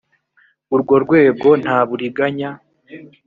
urwo rwego nta buriganya